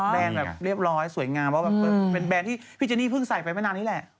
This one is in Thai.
แบบเรียบร้อยสวยงามว่าแบบเป็นแบรนด์ที่พี่เจนี่เพิ่งใส่ไปไม่นานนี้แหละ